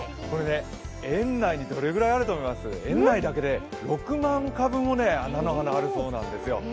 園内にどれくらいあるのかというと、園内だけで６万株も菜の花あるそうなんですよ。